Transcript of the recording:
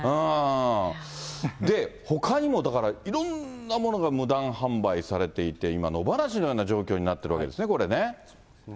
で、ほかにもだから、いろんなものが無断販売されていて、今、野放しのような状況になっているわけですね、これね。